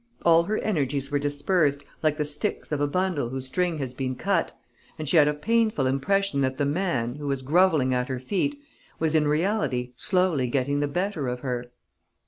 All her energies were dispersed, like the sticks of a bundle whose string has been cut; and she had a painful impression that the man, who was grovelling at her feet, was in reality slowly getting the better of her.